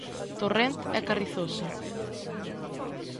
Torrent e Carrizosa.